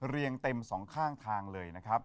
เรียงเต็มสองข้างทางเลยนะครับ